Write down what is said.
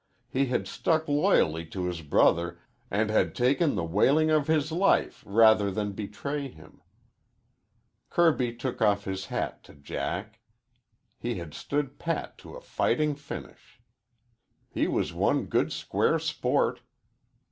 He had stuck loyally to his brother and had taken the whaling of his life rather than betray him. Kirby took off his hat to Jack. He had stood pat to a fighting finish. He was one good square sport.